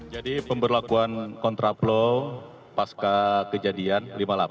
jadi pemberlakuan kontraflow pas ke kejadian lima puluh delapan